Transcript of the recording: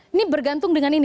ini bergantung dengan ini